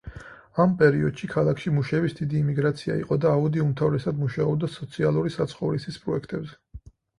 ამ პერიოდში ქალაქში მუშების დიდი იმიგრაცია იყო და აუდი უმთავრესად მუშაობდა სოციალური საცხოვრისის პროექტებზე.